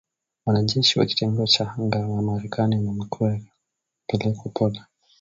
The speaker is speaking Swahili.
Wanajeshi wa kitengo cha anga Marekani wamepelekwa Poland